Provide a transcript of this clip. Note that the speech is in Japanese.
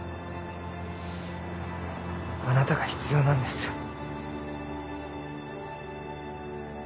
あなたが必要なんです。